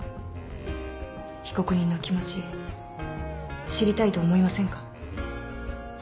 被告人の気持ち知りたいと思いませんか？